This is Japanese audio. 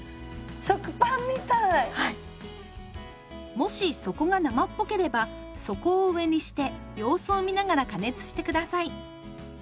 もし底が生っぽければ底を上にして様子を見ながら加熱して下さい。